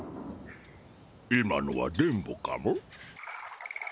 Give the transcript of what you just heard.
今のは電ボかモ？